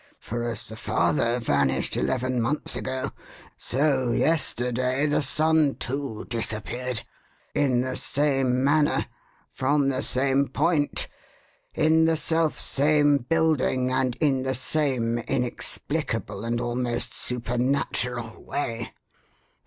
"For, as the father vanished eleven months ago, so yesterday the son, too, disappeared. In the same manner from the same point in the selfsame building and in the same inexplicable and almost supernatural way!